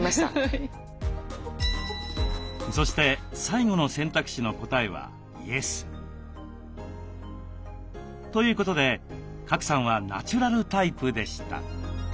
そして最後の選択肢の答えはイエス。ということで賀来さんはナチュラルタイプでした。